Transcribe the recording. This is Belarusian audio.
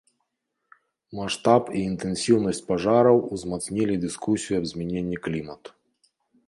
Маштаб і інтэнсіўнасць пажараў узмацнілі дыскусію аб змяненні клімату.